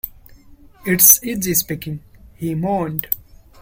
“It’s easy speaking,” he moaned.